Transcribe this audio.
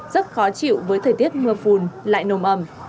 rất khó chịu với thời tiết mưa phùn lại nồm ẩm